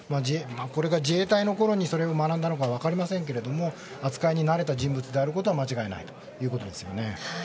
これが自衛隊のころにそれを学んだのかは分かりませんけれども扱いに慣れた人物であることは間違いないということですよね。